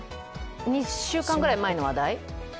２週間ぐらい前の話題？